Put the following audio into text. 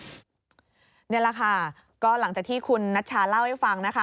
นี่แหละค่ะก็หลังจากที่คุณนัชชาเล่าให้ฟังนะคะ